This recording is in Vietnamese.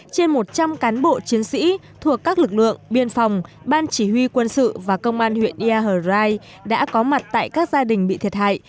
trên một trăm linh cán bộ chiến sĩ thuộc các lực lượng biên phòng ban chỉ huy quân sự và công an huyện yarai đã có mặt tại các gia đình bị thiệt hại